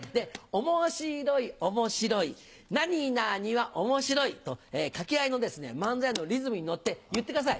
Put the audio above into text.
「面白い面白い何々は面白い」と掛け合いの万歳のリズムに乗って言ってください。